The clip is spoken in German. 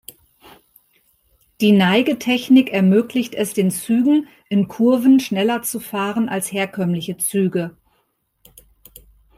Die Neigetechnik ermöglicht es den Zügen, in Kurven schneller zu fahren als herkömmliche Züge.